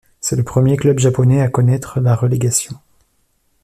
C'est le premier club japonais a connaître la relégation.